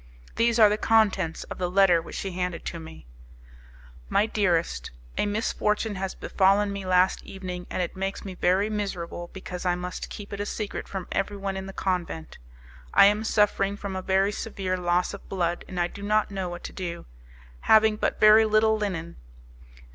These are the contents of the letter which she handed to me: "My dearest, a misfortune has befallen me last evening, and it makes me very miserable because I must keep it a secret from everyone in the convent. I am suffering from a very severe loss of blood, and I do not know what to do, having but very little linen.